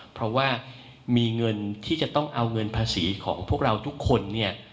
เพราะว่ามีเงินที่จะต้องเอาเงินภาษีของพวกเราทุกคนเนี่ย